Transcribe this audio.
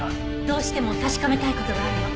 どうしても確かめたい事があるの。